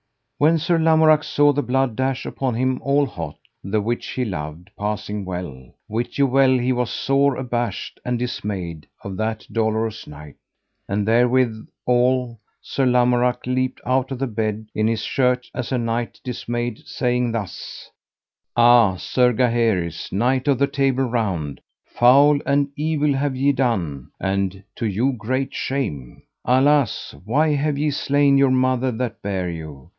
When Sir Lamorak saw the blood dash upon him all hot, the which he loved passing well, wit you well he was sore abashed and dismayed of that dolorous knight. And therewithal, Sir Lamorak leapt out of the bed in his shirt as a knight dismayed, saying thus: Ah, Sir Gaheris, knight of the Table Round, foul and evil have ye done, and to you great shame. Alas, why have ye slain your mother that bare you?